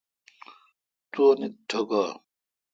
تو انیت ٹھوکہ۔